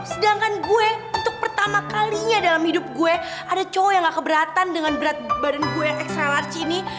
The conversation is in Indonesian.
sedangkan gue untuk pertama kalinya dalam hidup gue ada cowok yang gak keberatan dengan berat badan gue yang x rac ini